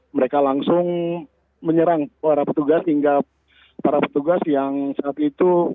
mereka langsung menyerang para petugas hingga para petugas yang saat itu